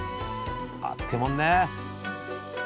あ漬物ね。